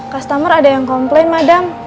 customer ada yang komplain madang